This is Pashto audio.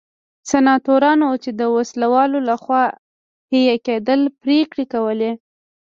سناتورانو چې د وسله والو لخوا حیه کېدل پرېکړې کولې.